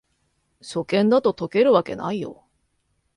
初見だと解けるわけないよ